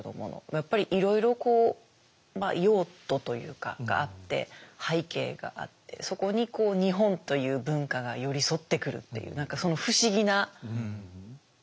やっぱりいろいろ用途というかがあって背景があってそこに日本という文化が寄り添ってくるっていう何かその不思議な物語がより